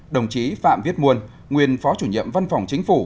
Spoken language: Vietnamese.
đồng chí phạm viết muôn nguyên phó chủ nhiệm văn phòng chính phủ